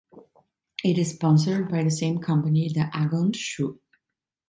It is sponsored by the same company, the Agon Shu.